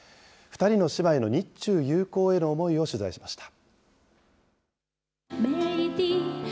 ２人の姉妹の日中友好への思いを取材しました。